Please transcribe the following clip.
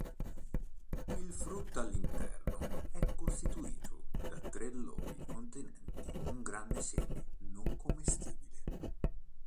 Il frutto all'interno è costituito da tre lobi contenenti un grande seme non commestibile.